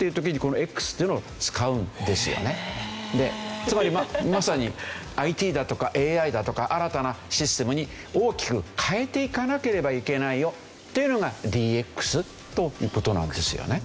つまりまさにＩＴだとかＡＩだとか新たなシステムに大きく変えていかなければいけないよっていうのがＤＸという事なんですよね。